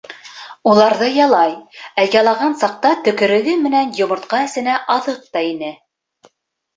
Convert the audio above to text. Уларҙы ялай, ә ялаған саҡта төкөрөгө менән йомортҡа эсенә аҙыҡ та инә.